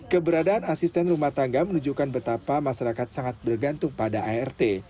keberadaan asisten rumah tangga menunjukkan betapa masyarakat sangat bergantung pada art